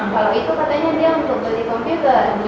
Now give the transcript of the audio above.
kalau itu katanya dia untuk jadi komputer